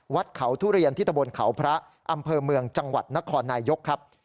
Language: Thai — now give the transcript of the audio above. วัดเขาทุเรียนที่ตะบนเขาพระอำเภอเมืองจังหวัดนครนายยกครับ